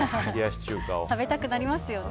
食べたくなりますよね。